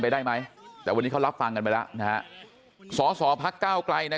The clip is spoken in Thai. ไปได้ไหมแต่วันนี้เขารับฟังกันไปแล้วนะสอพัก๙กลายนะ